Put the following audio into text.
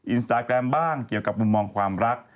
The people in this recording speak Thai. อินสตาแกรมบ้างเกี่ยวกับมุมมองความรัก